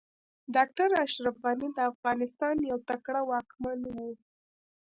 ډاکټر اشرف غني د افغانستان يو تکړه واکمن و